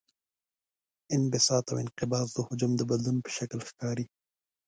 انبساط او انقباض د حجم د بدلون په شکل ښکاري.